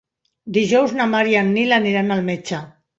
Dijous na Mar i en Nil aniran al metge.